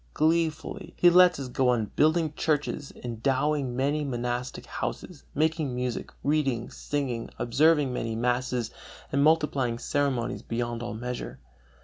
Gleefully he lets us go on building churches, endowing many monastic houses, making music, reading, singing, observing many masses, and multiplying ceremonies beyond all measure.